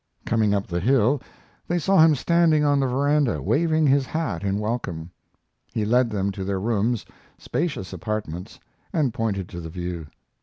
Coming up the hill they saw him standing on the veranda, waving his hat in welcome. He led them to their rooms spacious apartments and pointed to the view.